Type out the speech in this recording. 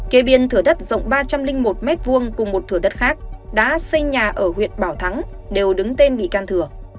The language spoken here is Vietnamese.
kế biên thừa đất rộng ba trăm linh một m hai cùng một thửa đất khác đã xây nhà ở huyện bảo thắng đều đứng tên bị can thừa